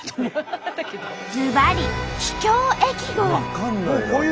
ずばり「秘境駅号」。